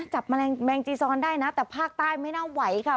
แมลงแมงจีซอนได้นะแต่ภาคใต้ไม่น่าไหวค่ะ